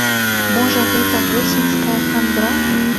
Можа, гэта восеньская хандра?